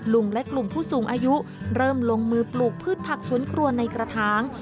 และกลุ่มผู้สูงอายุเริ่มลงมือปลูกพืชผักสวนครัวในกระถาง